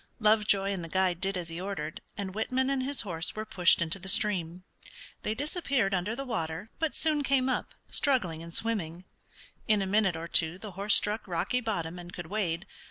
Lovejoy and the guide did as he ordered, and Whitman and his horse were pushed into the stream. They disappeared under the water, but soon came up, struggling and swimming. In a minute or two the horse struck rocky bottom and could wade.